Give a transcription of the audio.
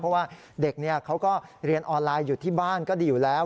เพราะว่าเด็กเขาก็เรียนออนไลน์อยู่ที่บ้านก็ดีอยู่แล้ว